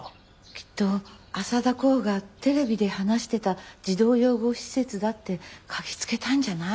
きっと浅田航がテレビで話してた児童養護施設だって嗅ぎつけたんじゃない？